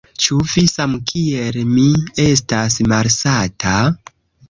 Ĉu vi samkiel mi estas malsata?